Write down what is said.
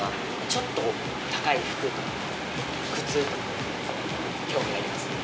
ちょっと高い服とか、靴とか、興味ありますね。